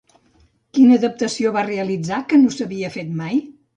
Quina adaptació va realitzar, que no s'havia fet mai?